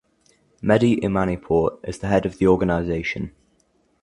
Mehdi Imanipour is the head of the organization.